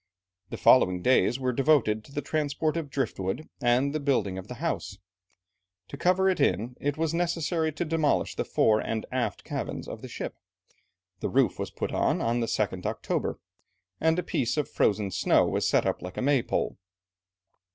The following days were devoted to the transport of driftwood and the building of the house. To cover it in, it was necessary to demolish the fore and aft cabins of the ship; the roof was put on, on the 2nd October, and a piece of frozen snow was set up like a May pole.